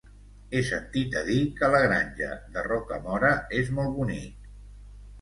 He sentit a dir que la Granja de Rocamora és molt bonic.